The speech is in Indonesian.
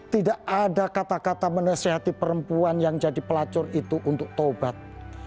tidak ada kata kata menasehati perempuan yang jadi pelacur itu untuk taubat